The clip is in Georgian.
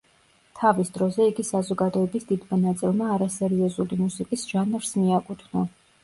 თავის დროზე იგი საზოგადოების დიდმა ნაწილმა არასერიოზული მუსიკის ჟანრს მიაკუთვნა.